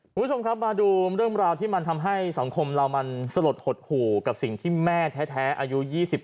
คุณผู้ชมครับมาดูเรื่องราวที่มันทำให้สังคมเรามันสลดหดหู่กับสิ่งที่แม่แท้อายุ๒๓